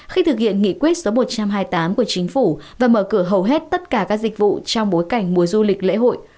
khi thực hiện nghị quyết số một trăm hai mươi tám của chính phủ và mở cửa hầu hết tất cả các dịch vụ trong bối cảnh mùa du lịch lễ hội